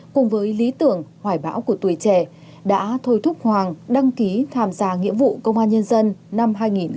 cùng với lý tưởng hoài bão của tuổi trẻ đã thôi thúc hoàng đăng ký tham gia nghĩa vụ công an nhân dân năm hai nghìn hai mươi ba